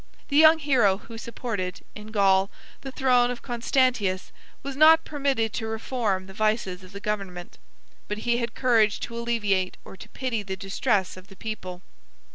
The young hero who supported, in Gaul, the throne of Constantius, was not permitted to reform the vices of the government; but he had courage to alleviate or to pity the distress of the people.